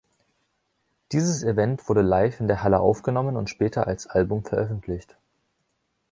Dieses Event wurde live in der Halle aufgenommen und später als Album veröffentlicht.